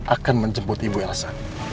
akan menjemput ibu elsa